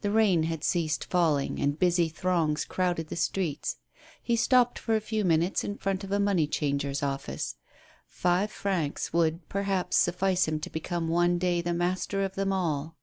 The rain had ceased falling, and busy throngs crowded the streets. He stopped for a few minutes in front of a money changer's office. Five francs would, perhaps, suffice liim to become one day the master of them all.